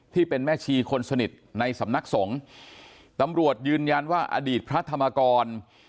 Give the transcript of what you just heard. ที่เป็นแม่ชีคนสนิทในสำนักสงฆ์ตำรวจยืนยันว่าอดีตพระธรรมกร